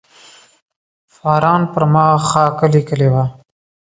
فاران پر ما خاکه لیکلې وه.